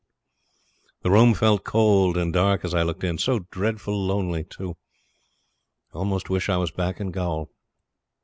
The room felt cold and dark as I looked in. So dreadful lonely, too. I almost wished I was back in the gaol.